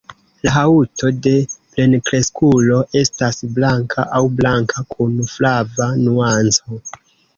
La haŭto de plenkreskulo estas blanka aŭ blanka kun flava nuanco.